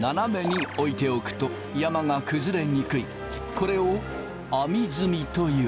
これを網積みという。